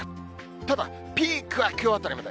ただ、ピークはきょうあたりまで。